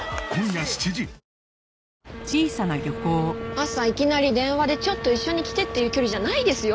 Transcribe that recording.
朝いきなり電話で「ちょっと一緒に来て」っていう距離じゃないですよ